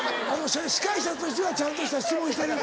司会者としてはちゃんとした質問してる。